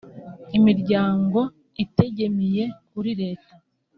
imiryango itegemiye kuri Leta